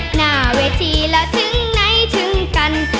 หน้าเวทีแล้วถึงไหนถึงกัน